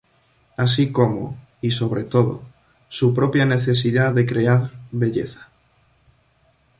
Así como, y, sobre todo, su propia necesidad de crear belleza.